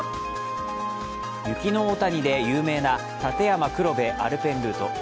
雪の大谷で有名な立山黒部アルペンルート。